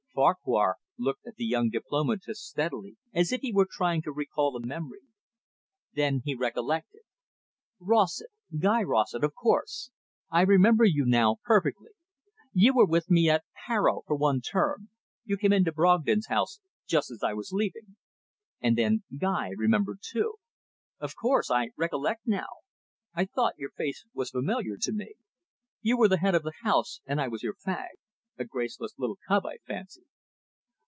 Farquhar looked at the young diplomatist steadily, as if he were trying to recall a memory. Then he recollected. "Rossett, Guy Rossett, of course, I remember you now perfectly. You were with me at Harrow for one term. You came into Brogden's House just as I was leaving." And then Guy remembered too. "Of course, I recollect now. I thought your face was familiar to me. You were the head of the house, and I was your fag. A graceless little cub, I fancy."